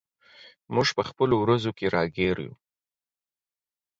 موږ په خپلو ورځو کې راګیر یو.